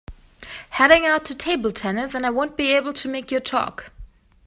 Heading out to table tennis and I won’t be able to make your talk.